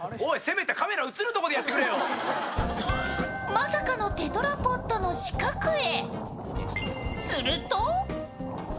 まさかのテトラポットの死角へ。